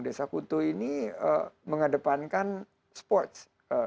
desa kutu ini mengedepankan sports